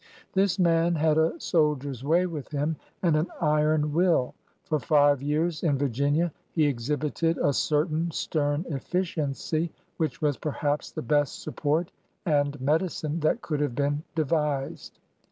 This man had a soldier's way with hun and an iron will. For five years in Virginia he exhibited a certain stem eflSciency which was perhaps the best support and medicine that could have been devised.